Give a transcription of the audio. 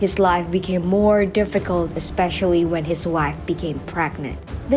hidupnya menjadi lebih sulit terutama ketika istrinya menjadi kecewa